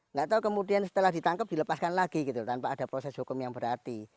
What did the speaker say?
nggak tahu kemudian setelah ditangkap dilepaskan lagi gitu tanpa ada proses hukum yang berarti